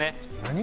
何？